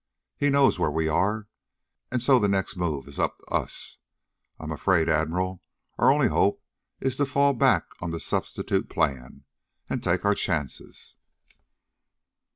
He knows where we are, and so the next move is up to us. I'm afraid, Admiral, our only hope is to fall back on the substitute plan, and take our chances."